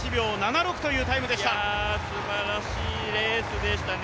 すばらしいレースでしたね。